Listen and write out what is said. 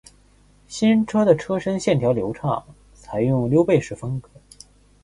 新车的车身线条流畅，采用溜背式风格